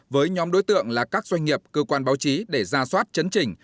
với nhóm đối tượng là các doanh nghiệp cơ quan báo chí để ra soát chấn chỉnh